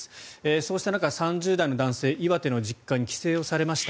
そうした中、３０代の男性は岩手の実家に帰省されました。